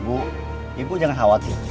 bu ibu jangan khawatir